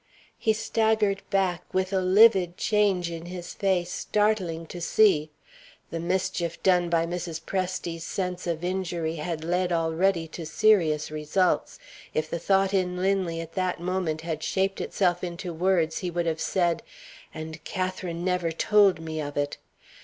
He staggered back with a livid change in his face startling to see. The mischief done by Mrs. Presty's sense of injury had led already to serious results. If the thought in Linley, at that moment, had shaped itself into words, he would have said, "And Catherine never told me of it!"